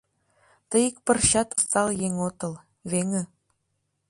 Тый ик пырчат осал еҥ отыл, веҥе.